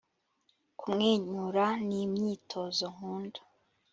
kumwenyura ni imyitozo nkunda